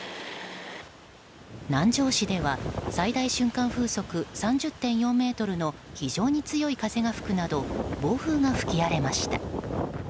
南城市では最大瞬間風速３０．４メートルの非常に強い風が吹くなど暴風が吹き荒れました。